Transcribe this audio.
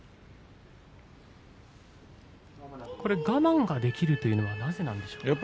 我慢ができるというのはなぜですか。